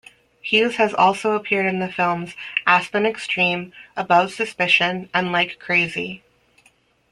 Hughes has also appeared in the films "Aspen Extreme", "Above Suspicion" and "Like Crazy".